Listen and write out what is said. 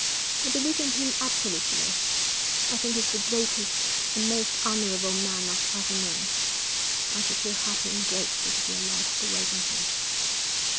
I believe in him absolutely. I think he's the greatest and most honourable man I've ever known. I should feel happy and grateful to be allowed to wait on him.'